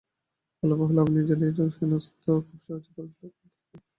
বলাবাহুল্য, আমরা নিজেরাই এর একটা হেস্তনেস্ত খুব সহজেই করে ফেলবার ক্ষমতা রাখি।